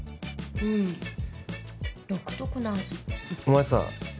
うーん独特な味お前さ